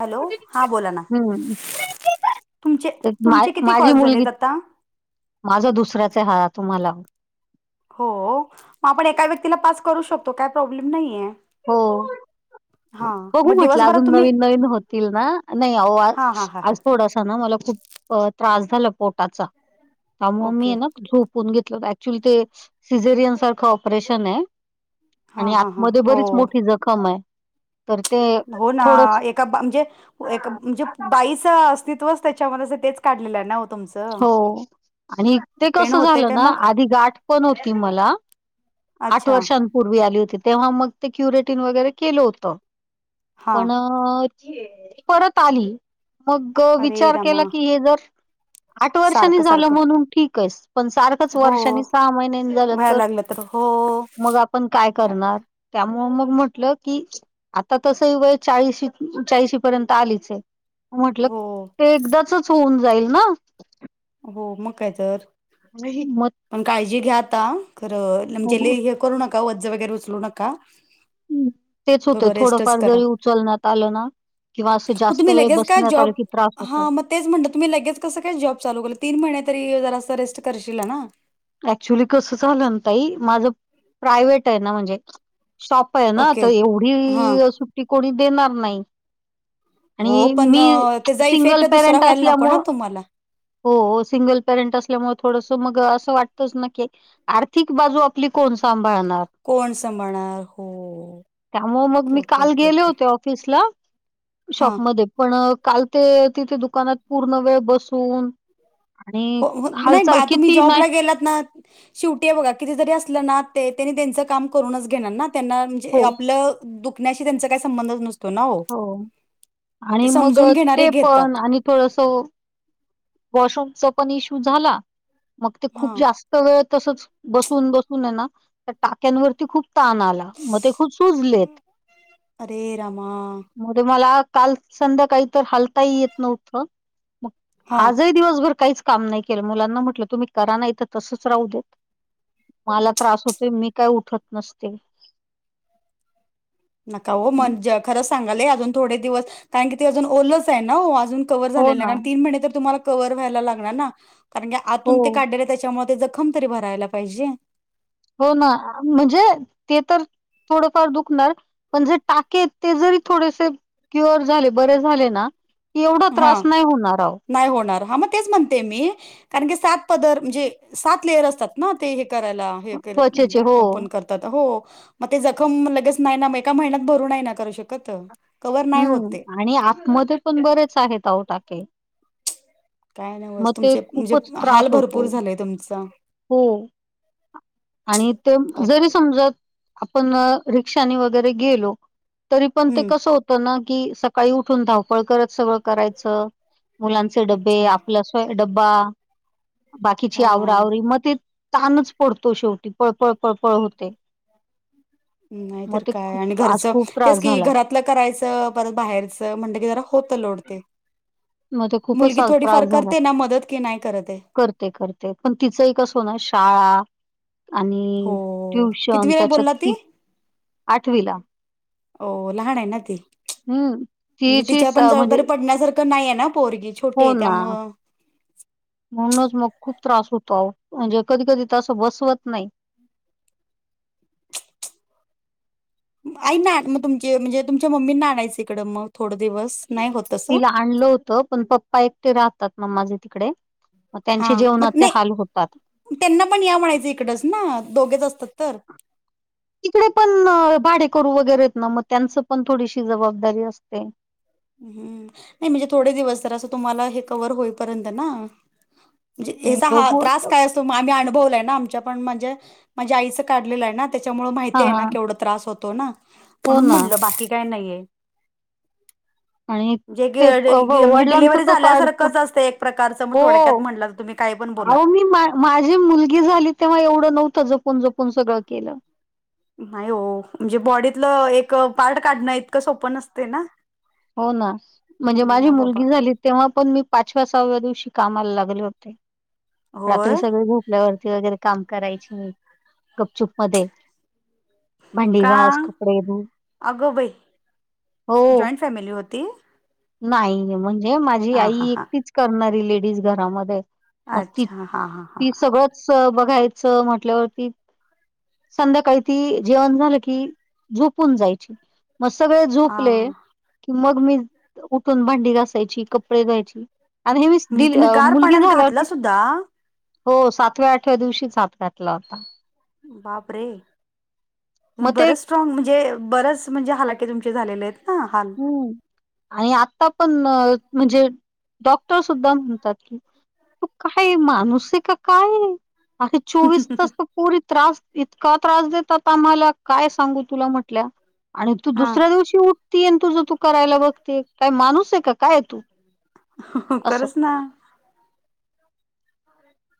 Hello? हां बोला ना. हम्म तुमचे, ते मा तुमचे किती माझी कॉल मुलगी झालेत आता? माझा दुसऱ्याचये हा तुम्हाला. हो, मग आपण एका व्यक्तीला पाच करू शकतो, काय प्रॉब्लेम नाहीेये. हो, बघू म्हटलं, दिवसभरात अजून तुम्ही नवीन, नवीन होतील ना. नाही- हां हां हां हां आज थोडासा ना मला खूप त्रास झाला पोटाचा, त्यामुळ मी ओके ये ना झोप- पुन घेतल, ऍक्च्युली ते सिजेरियन सारखं ऑपरेशन आहे हां आणि हां हां आतमध्ये हो बरीच- मोठी जखम ये. हो ना एक- म्हणजे [unintelligible] म्हणजे बाईचं अस्तित्वच त्याच्यामध्ये तेच काढलेलं ना हो तुमच. हो आणि ते कसं होतंय झालं काय ना, मग आधी गाठ पण होती मला- आठ अच्छा वर्षांपूर्वी आली होती, तेव्हा मग ते क्युरेटीन वगैरे केलं होत, हां पण- परत आली, मग अरे विचार रामा केला की, हे जर- आठ वर्षांनी सारखं झालं सारखं म्हणून ठीक आहे, पण सारखंच हो वर्षांनी, सहा महिन्यांनी झालं- व्हायला लागलं तर. हो. मग आपण काय करणार, त्यामुळे मग म्हटलं की- आता तस ह वय चाळीशी चाळीशी पर्यंत आलीच आहे. म्हटल हो ते एकदाचच होऊन जाईल ना. हो मग काय तर, मग पण काळजी घ्या आता खरं म्हणजे लय- करू नका ओझं वगैरे उचलू नका. हम्, तेच होतय, थोडं रेस्टच थोडंफार करा जरी उचलण्यात आलं ना- किंवा असं मग जास्त तुम्ही वेळ लगेच काय बसण्यात जॉब आलं की त्रास होतो. हा मग तेच म्हंटल, तुम्ही लगेच कसं काही जॉब चालू केलं? तीन महिने तरी जरास रेस्ट करशीला ना? अऍक्च्युली कसं झालं ना ताई, माझं प्रायव्हेट आहे ना, म्हणजे शॉप- आहे ना, ओके तर हा एवढी सुट्टी कोणी देणार नाही. हो आणि पण मी अ, त्याचा सिंगल इफेक्ट दुसरा पेरंट व्हायला नको ना असल्यामुळ तुम्हाला हो सिंगल पेरेंट असल्यामुळे थोडंस मग असं वाटत तेच नां की, आर्थिक बाजू आपली कोण सांभाळणार कोण संभाळणार?..... हो.... okay- okay- okay -okay office ला हां शॉपमध्ये पण काल ते तिथे दुकानात पूर्ण वेळ बसून आणि हो नाही हालचाल बा तुम्ही किती नाही जॉबला गेलात ना शेवटी आहे बघा कींती जरी असलं ना ते त्यांनी त्यांच काम करूनच घेणार ना त्यांना म्हणजे हो आपलं दुखण्याशी त्यांचा काही संबंधच नसतो ना हो, ते आणि मग अ, समजून घेणारे ते पण घेतात आणि थोडस वॉशरूमचा पण इश्यू झाला मग ते हा खूप जास्त वेळ तसच बसून -बसून आहे ना त्या टाक्यांवरती खूप ताण आला. मग ते खूप सुजलेत. अरे रामा मग मला काल संध्याकाळी काही हालताही येत नव्हतं. मग हा आजही दिवसभर काहीच काम नाही केलं, मुलांना म्हटलं, तुम्ही करा नाही इथ तसंच राहू देत. मला त्रास होतो मी काय उठत नसते. नका हो म्हणजे खरंच सांगाते अजून थोडे दिवस कारण की ते अजून ओलच आहे ना अजून कव्हर हो झालेलं ना नाही, तीन महिने तर तुम्हाला कव्हर होईला लागणार ना, कारण हो आतून ते त्याच्यामुळे ते जखम तरी भरायला पाहिजे हो ना.... म्हणजे ते तर थोडफार दुखणार, पण जे टाके आहेत ते जरी थोडेसे क्युअर झाले, बरे झाले, ना एवढा हा त्रास नाही होणार आहो. नाही होणार, हा मग तेच म्हणते मी कारण की सात पदर म्हणजे सात लेयर असतात ना ते हे करायला हे त्वचेचे हो ओपन करत हो मग, ते जखम लगेच नाही ना मग एका महिन्यात भरू नाही ना करू शकत कवर नाही हम्म.... होते आणि आतमध्ये पण बरेच आहेत अहो टाके काय मग नव्हच ते तुमचे म्हणजे खूपच त्रास हाल होतो भरपूर झालंय तुमचा हो आणि ते बाप जरी समज आपण रिक्षा वगरे गेलो तरी पण ते हम्म कस की सकाळी उठून धावपळ करत सगळं करायचं मुलांचे डबे अच्छा आपलं डब्बा बाकीची हा आवरा-आवर मग त तणच.... पडतो शेवटी पळपळ- पळपळ होते. नाही मग तरर ते काय? आणि खूप आज घरचं खूप तेच त्रास की झाला घरात घरातलं करायचं परत बाहेरचं म्हणटलं की जरा होतं लोड ते मग ते खूपच मुलगी आज थोडीफार त्रास झाला करते ना मदत की नाही करतये करते- करते, पण तिचं एक कसं ना शाळा आणि हो ट्युशन कितवीला आहे त्याच्यात बोलला ती आठवीला हो लहान आहे ना ती...., हम्म. म्हणजे तिची तिच्यावर स पण म्हणजे जबाबदारी पडण्यासारख नाही आहे ना पोरगी छोटी हो आहे ना त्यामुळं म्हणूनच मग खूप त्रास होतो., आहो... म्हणजे कधी -कधी तसं बसवत नाही आई ना.... मग तुमचे म्हणजे तुमच्या मम्मी ना आणयचं इकडं मग थोडं दिवस नाही होत तसं तिला आणलं होत पण पप्पा एकटे राहतात ना माझे तिकडे मग हा त्यांचे मग जेवणाचे हाल होतात. नाही त्यांना पण या म्हणायचं इकडच ना दोघेच असतात तर तिकडे पणं भाडे करूं वगैरेेत नां मंग त्यांच पणं थोडीशी जबाबंदारी असते हम्मं नाहीं म्हणजे थोडे दिवसं जरां असं तुम्हांला हे कव्हवर होईपर्यंत नां नाही यांचा हां बघू त्रांस आता कायं असतों आम्हीं अवय आमच्यां पणं माणं माझ्यां आईचं काढलेलं आहे नां त्यांच्यामुळे हां, माहिती आहे हां. केवढ त्रास होतों नां हो म्हणूंन ना म्हटलं बाकी कायं नाही आहे आणि ते प- व म्हे म्हे वडिलांचं डलिव्हरी कसं अडतं झाल्यासांरखंच असतं एक प्रकारचं मंग थोडक्यात हो. म्हटलं तुम्हीं कायं पणं बोला अहो मी मा माझी मुलंगी झाली तेंव्हा एवढं नव्हतं जपूंन जपूंन सगळं केलं नाहीं हो म्हणजे बॉडीतलं एक पार्ट काढणं इतकं सोपं नसते नां हो नां म्हणजे माझी मुलंगी झालीं तेंव्हा पणं मी पांचव्या सहाव्यां दिवशी कामांला लागले होते रात्री होय सगळें झोप वरती वगैरें कामं करायची मी गपचुंप मध्यें भांडी घांस का कपडे धूऊ अगं बाई हो जॉईंट फॅमिली होती नाहीं म्हणजे माझी हा आई हा हा एकटीचं करणांरी लेडीज घरांमध्ये मंग ती अच्छा हा हा हा ती हा सगळंच बघायचं म्हटल्यांवरती संध्याकाळी ती जेवणं झालं की झोपूंन जायची मंग सगळें झोपले हा. की मंग मी उठूंन भांडी घासांयची कपडे धूव्हायची आणि हे मी म्हणजे दिली तुम्ही गार मुलंगी पाण्यात घातला झाल्यांवरती सुद्धा हो सातव्यां आठव्यां दिवशी हात आपटयांले लावतात बापरे मग ते बरंच स्ट्राग म्हणजे बरेचं म्हणजे हालाके तुमचे झाले आहेत नां हांल हं आणि आंता पणं म्हणजे डॉक्टर सुद्धां म्हणतांत की तूं कायं माणूंस आहे कां कायं अे चोवीस तांस परी त्रांस इतकां त्रांस देतांत आम्हांला कायं सांगू तुलां म्हटल्यां आणि तूं हा दुसऱ्यां दिवशी उठतेय तुझं तूं करायंला बघते कायं माणूंस आहे कां कायं तूं हो खरंच नां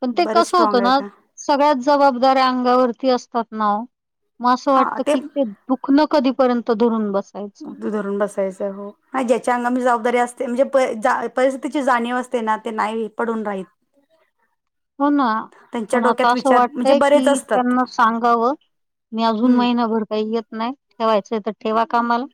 पणं ते बरेच कसं स्ट्रॉंग होतं आहे नां का सगळ्यांत जबाबदारया अंगावरती असतांत नांव मंग असं वाटतं की ते दुःख नं कधीपर्यंत धरूंन बसायचं धरूंन बसायचं हो नाहीं ज्यांच्या अंगा जबाबदारी असते म्हणजे परिस्थितीची जाणीव असतें नां ते नाहीं पडूंन राहीत हो नां त्यांच्या पणं आंता डोक्यात असं विचार म्हणजे वाटतंय कि बरेच असतात त्यांना सांगावं मी अजूंन हम्म महिनाभर कांहीं येतं नाहीं ठेवायचं तरं ठेवां कामाला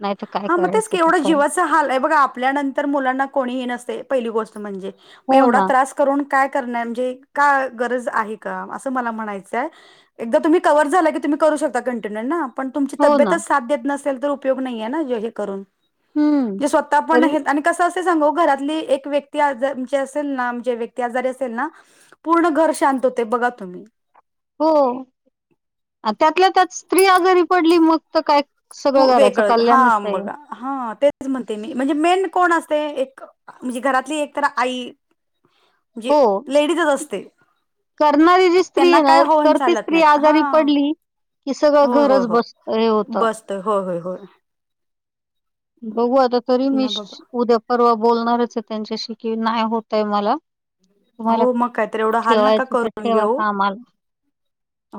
नाहीं तरं कायं करायचं ते करां हांल आहे आपल्यां नंतर मुलांना कोणी नसते पहिली गोष्ट म्हणजे मंग हो ना एवढाच त्रासं करूंन कायं करण्यात म्हणजे कां गरजं आहे कां असं मलां म्हणायचंय एकदां तुम्हीं कंवर झाल्यां की तुम्हीं करूं शकतात कंटिन्यू नां पणं तुमंची हो ना तब्येतंच साथ देतं नाहीं तरं उपयोग नाहीे नां हे करूंन हम्म. जे स्वतः पणं तरी आहेतं आणि कसं असेल सांगू घरांतली एक व्यक्ती आजारी असेल नां म्हणजे व्यक्ती आजारी असेल नां पूर्ण घरं शांत होते बघां तुम्हीं हो त्यांतल्या त्यांत स्त्री आजांरी पडली मंग तरं कायं सगळं घराचं कल्यांणच आहे हां तेचं म्हणते मी म्हणजे मेन कोणं असतें एक म्हणजे, घरातली एक तर आई. म्हणजे, हो लेडीजच असते. करणारी जी त्यांना स्त्रीय न. काय होऊन तर ती चालत स्त्री नाहीत हा आजारी पडली कि, सगळं होय होय घरच बस, होय हे होतं. बसतोय होय, होय, होय. बघू आता तरी मी, नाही श बाबा उद्या- परवा बोलणारचय, त्यांच्याशी की, नाही होतय मला. तुम्हाला हो, मग. काय तर. एवढं हाल नका ठेवायचं तर करून ठेवा घेऊ. कामाला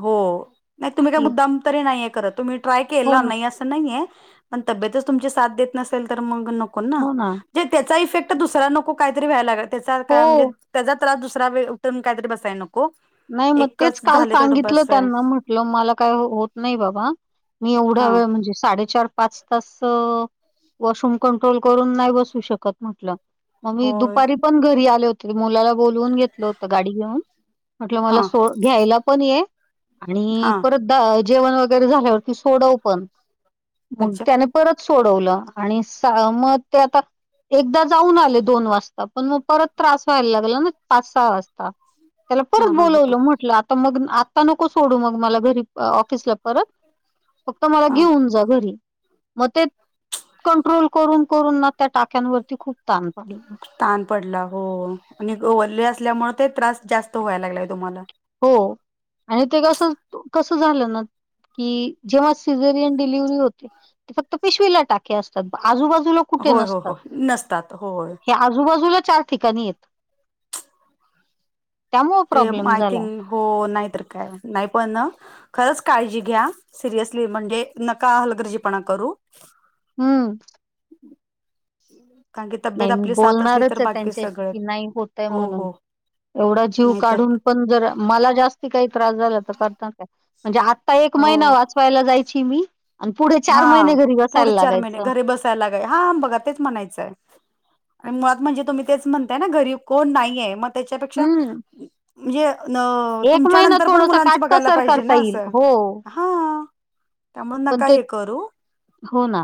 हो. नाही तुम्ही, काय आधी मुद्दाम तरी नाहीये करत. तुम्ही ट्राय हो केला. ना नाही अस नाहीेय. पण तबेतच तुमची साथ देत नसेल, तर मग न को, ना. त्याचा इफेक्ट दुसरा नको. काहीतरी व्हायला, लाग त्या म्हणजे हो त्याचा त्रास दुसरा [unintelligible] काहीतरी बसायला नको. नाही, मग तेच एकच काल झाले तेवढं सांगितलं बस आहे त्यांना. म्हटलं मला काय, होत नाही बाबा. मी एवढा हा वेळ म्हणजे, साडेचार पाच तास, वॉशरूम कंट्रोल करून, नाही बसू शकत म्हटलं. मग मी होय दुपारी पण घरी आले होते. मुलाला बोलवून घेतलं होतं, गाडी घेऊन. म्हटलं मला हा सो. घ्यायला पण ये आणि हा परत द जेवण वगैरे झाल्यावरती सोडव पण. मग अच्छा त्याने - परत सोडवलं. आणि सा मग ते आता एकदा जाऊन आले, दोन वाजता. पण मग परत त्रास व्हायला लागला ना, पाच - सहा वाजता. त्याला हा परत हा हा बोलवलं. म्हटलं, आता मग आत्ता नको सोडू. मग मला घरी - ऑफिसला परत. फक्त मला हा घेऊन जा, घरी. मग ते, कंट्रोल करून- करून ना, त्या टाक्यांवरती खूप ताण पडलं. ताण पडला. हो आणि ग वल्ले असल्यामुळे, ते त्रास जास्त व्हायला लागलाय, तुम्हाला. हो आणि ते कस, कसं झालं ना की, जेव्हा सीझरियन डिलिव्हरी होते. ते फक्त पिशवीला टाके असतात. आजूबाजूला कुठे होय हो नसतात. हो नसतात होय हे आजूबाजुला चार ठिकाणी येत. त्यामुळे ते प्रॉब्लेम आय झाला थिंक हो, नाही तर काय? नाही पण ना खरंच काळजी घ्या. सिरियसली. म्हणजे, नका हलगर्जीपणा करू. हम्म. [unintelligible] नाही, मी साथ असली तर बोलणारचय, बाकी त्यांच्याशी सगळं की, नाही होतय हो म्हणून. हो एवढा जीव नाहीतर काढून पण, जर मला जास्ती काही त्रास झाला, तर करता काय? म्हणजे आत्ता, एक हो महिना वाचवायला जायची मी. आणि पुढे चार महिने, घरी बसायला लागायचं. लागा हा, बघा. तेच म्हणायचं. आणि मुळात म्हणजे, तुम्ही तेच म्हणताय ना. गरीब कोण नाहीेये. मग त्याच्यापेक्षा, हम्म म्हणजे न एक तुमच्या महिना नंतर पण, थोडस मुलांचं बघायला काटकसर पाहिजे करता ना, येईल असं. हो हा. त्यामुळ, पण नका ते हे करू. हो ना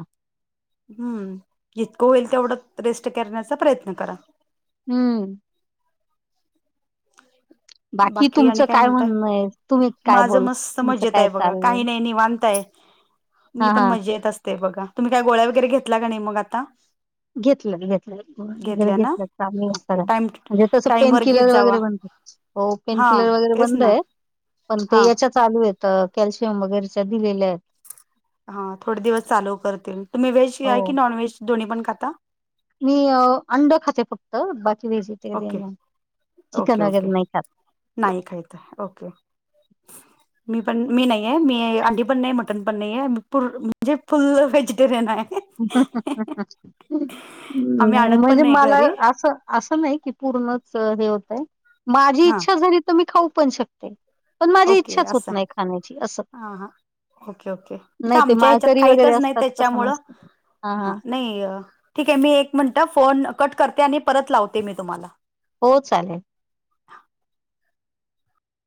हम्म. जितकं होईल तेवढं, रेस्ट करण्याचा प्रयत्न करा. हम्म. बाकी तुमचं काय म्हणणंय. तुम्ही काय माझं बोल, मस्त तुमचं मजेत काय आहे बघा काही चाललंय? [inaudible] नाही निवांत आहे मी पण हा मजेत असते बघा. तुम्ही काय गोळ्या वगैरे घेतल्या का नाही, मग आता? घेतल्यात, घेतल्यात. गोळ्या वगैरे घेतल्या ना घेतल्यात. चालूयत ओके सगळ्या. टाइम म्हणजे तसं, पेन टाइमवर घेत किलर जावा वगैरे बंदय. हो हा पेनकिलर वगैरे तेच ना बंदय. पण ते हा याच्यात चालू आहे कॅल्शियम वगैरेच्या दिलेल्या आहेत. हा थोडे दिवस चालू करतील तुम्ही व्हेज हो या की नॉन व्हेज दोन्ही पण खाता मी अंड खाते फक्त बाकी व ते कधी ओके ओके चिकन ओके वगैरे नाही खाते. नाही खाहीतय ओके. [unintelligible] मी पण मी नाही आहेे मी अंी पण नाही मटन पण नाही आहे मी म्हणजे फुल व्हेजिटेरियन आहे. ् आम्ही आणत पण म्हणजे नाही मला घरी असं. असं नाही की पूर्णच हे होतय माझी हा इच्छा झाली तर मी खाऊ पण शकते. पण माझी ओके इच्छाच होत असं नाही खाण्याची असं. हा हा ओके ओके म्हणजे नाही ते आमच्या ह्याच्यात माळकरी वगैरे काहीतच नाही असतात तसं त्याच्यामुळ. नसतं हा नाही ठीक आहे मी एक मिनटं फोन कट करते आणि परत लावते मी तुम्हाला हो चालेल.